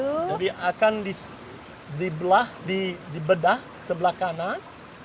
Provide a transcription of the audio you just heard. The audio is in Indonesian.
jadi akan di belah di bedah sebelah kanan